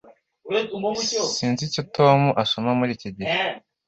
Sinzi icyo Tom asoma muri iki gihe